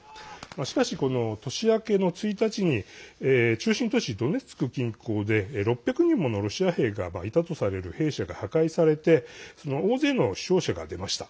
しかし、年明けの１日に中心都市ドネツク近郊で６００人ものロシア兵がいたとされる兵舎が破壊されて大勢の死傷者が出ました。